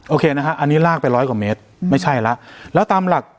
โอเคนะฮะอันนี้ลากไปร้อยกว่าเมตรไม่ใช่แล้วแล้วตามหลัก